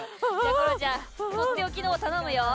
ころんちゃんとっておきのを頼むよ。